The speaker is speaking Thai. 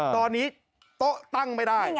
ตอนนี้โต๊ะตั้งไม่ได้